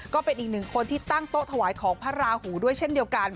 ก็เป็นอีกหนึ่งคนที่ตั้งโต๊ะถวายของพระราหูด้วยเช่นเดียวกัน